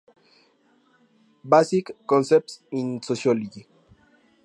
Basic Concepts In Sociology.